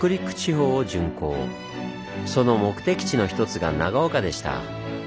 その目的地の一つが長岡でした。